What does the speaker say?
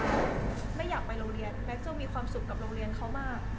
ไม่อยากไปโรงเรียนแม็กจะมีความสุขกับโรงเรียนเขามาก